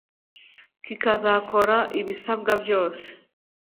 kikazakora ibisabwa byose